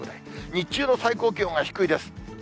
日中の最高気温が低いです。